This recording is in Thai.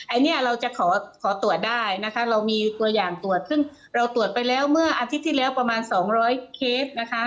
อันนี้เราจะขอตรวจได้นะคะเรามีตัวอย่างตรวจซึ่งเราตรวจไปแล้วเมื่ออาทิตย์ที่แล้วประมาณ๒๐๐เคสนะคะ